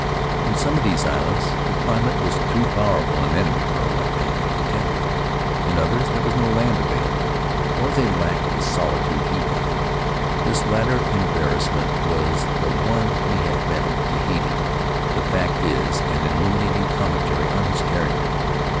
In some of these islands the climate was too powerful an enemy for a white man to contend with; in others there was no land available, or they lacked the solitude he wanted. This latter embarrassment was the one he had met at Tahiti. The fact is an illuminating commentary on his character.